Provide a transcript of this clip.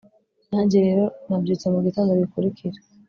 Nanjye rero nabyutse mugitondo gikurikira